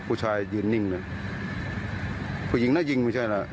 ผู้ชายยื้อนิ่งมุดเผู้หญิงไม่ใช่ล่ะ